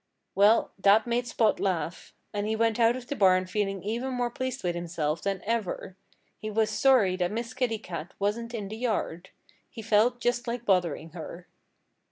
Well, that made Spot laugh. And he went out of the barn feeling even more pleased with himself than ever. He was sorry that Miss Kitty Cat wasn't in the yard. He felt just like bothering her.